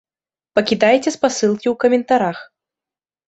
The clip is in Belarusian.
Пакідайце спасылкі ў каментарах!